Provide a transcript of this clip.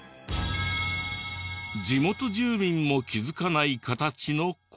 地元住民も気づかない形の公園。